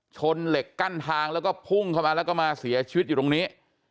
ชนเหล็กกั้นทางแล้วก็พุ่งเข้ามาแล้วก็มาเสียชีวิตอยู่ตรงนี้